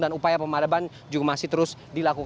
dan upaya pemadaman juga masih terus berlangsung